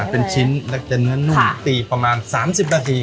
เป็นชิ้นและจะเนื้อนุ่มตีประมาณ๓๐นาที